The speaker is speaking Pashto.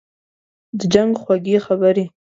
« د جنګ خوږې خبري